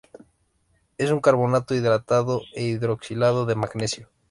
Es un carbonato hidratado e hidroxilado de magnesio.